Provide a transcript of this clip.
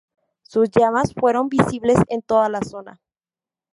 Sus llamas fueron visibles en toda la zona.